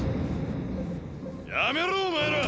やめろお前ら！